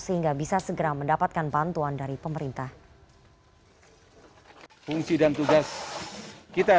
sehingga bisa dikonsumsi